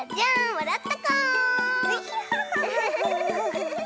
わらったかお！